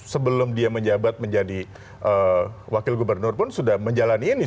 sebelum dia menjabat menjadi wakil gubernur pun sudah menjalani ini